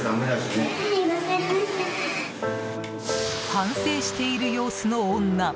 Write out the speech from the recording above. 反省している様子の女。